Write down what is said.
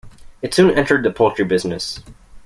It soon entered the poultry business.